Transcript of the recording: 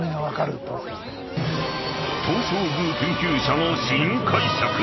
［東照宮研究者の新解釈！